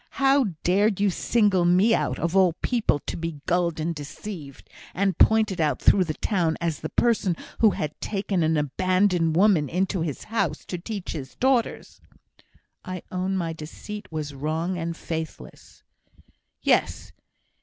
How dared you single me out, of all people, to be gulled and deceived, and pointed at through the town as the person who had taken an abandoned woman into his house to teach his daughters?" "I own my deceit was wrong and faithless." "Yes!